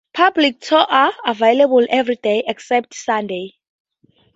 Public tours are available every day except Sundays.